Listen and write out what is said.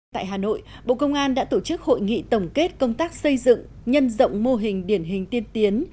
tại hà nội bộ công an đã tổ chức hội nghị tổng kết công tác xây dựng nhân rộng mô hình điển hình tiên tiến